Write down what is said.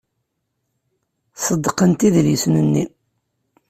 Ṣeddqent idlisen-nni.